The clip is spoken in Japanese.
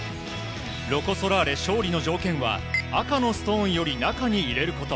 ロコ・ソラーレ勝利の条件は赤のストーンより中に入れること。